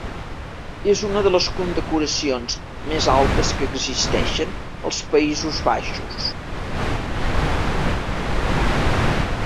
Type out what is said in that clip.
És una de les condecoracions més altes que existeixen als Països Baixos.